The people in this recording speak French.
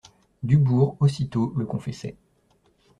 Dubourg, aussitôt, le confessait.